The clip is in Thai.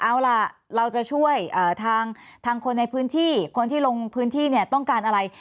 เอาล่ะเราจะช่วยทางคนในพื้นที่คนที่ลงพื้นที่เนี่ยต้องการอะไร